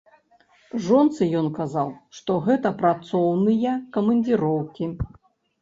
Жонцы ён казаў, што гэта працоўныя камандзіроўкі.